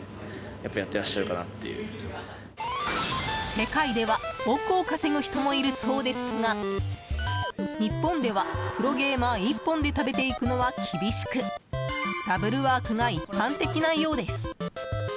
世界では億を稼ぐ人もいるそうですが日本ではプロゲーマー１本で食べていくのは厳しくダブルワークが一般的なようです。